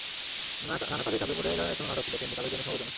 নানা কাজের চাপে পড়ে যাঁরা এখনো নাটকটি দেখেননি, তাঁদের জন্য সমবেদনা।